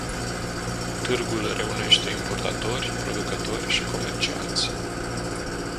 Târgul reunește importatori, producători și comercianți.